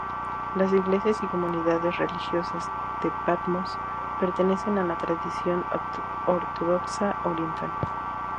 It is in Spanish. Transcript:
Las iglesias y comunidades religiosas de Patmos pertenecen a la tradición ortodoxa oriental.